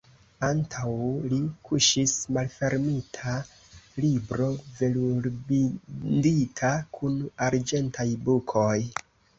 Antaŭ li kuŝis malfermita libro, velurbindita, kun arĝentaj bukoj.